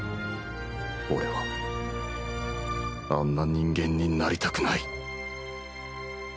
俺はあんな人間になりたくない